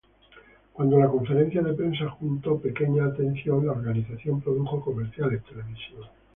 Cuando la conferencia de prensa junto pequeña atención, la organización produjo comerciales televisivos.